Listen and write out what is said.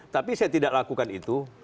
tapi saya tidak lakukan itu